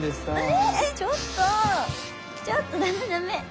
えっちょっとちょっとダメダメ。